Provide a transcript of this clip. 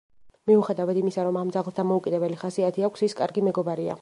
მიუხედავად იმისა, რომ ამ ძაღლს დამოუკიდებელი ხასიათი აქვს, ის კარგი მეგობარია.